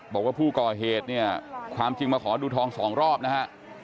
บอกว่าผู้ก่อเหตุเนี่ยความจริงมาขอดูทองสองรอบนะฮะ